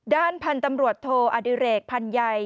ด้านพันธุ์ตำรวจโทอดิเรกพันใย